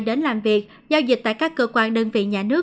đến làm việc giao dịch tại các cơ quan đơn vị nhà nước